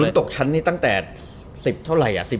ตกชั้นนี้ตั้งแต่๑๐เท่าไหร่